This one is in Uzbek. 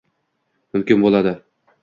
Mumkin bo‘ldi...